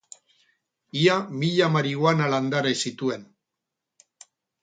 Ia mila marihuana landare zituen.